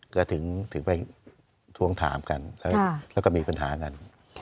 ก็ถึงไปทวงถามกันแล้วก็มีปัญหากัน